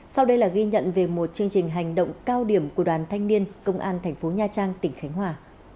sau đây là ghi nhận về một chương trình hành động cao điểm của đoàn thanh niên công an thành phố nha trang tỉnh khánh hòa